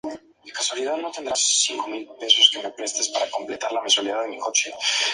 La línea opera entre las estaciones Union Station y Fox Lake.